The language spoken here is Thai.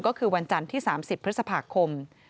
ก็คือวันจันทร์ที่๓๐พฤษภาคม